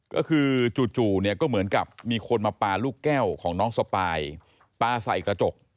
ก็คือจู่เนี่ยก็เหมือนกับมีคนมาปลาลูกแก้วของน้องสปายปลาใส่กระจก